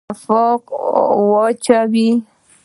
نفاق واچوي.